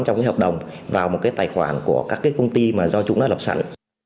trong cái hợp đồng vào một cái tài khoản của các cái công ty mà do chúng đã lập sẵn